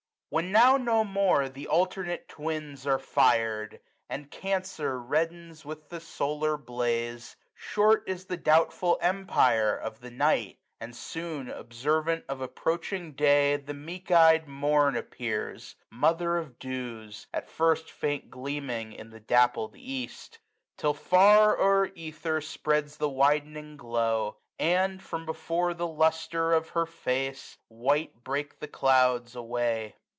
When now no more th' alternate Twins are fir'd. And Cancer reddens with the solar blaze. Short is the doubtful, empire of the night ; 45 And soon observant of approaching day. The meek ey'd Morn appears, mother of dews. At first faint gleaming in the dappled East : Till far o'er ether spreads the widening glow ; And, from^before the lustre of her face, 50 White break the clouds away.